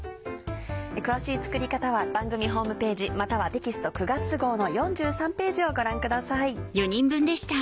詳しい作り方は番組ホームページまたはテキスト９月号の４３ページをご覧ください。